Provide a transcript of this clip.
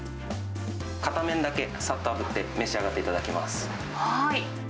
片面だけさっとあぶって、召し上がっていただきます。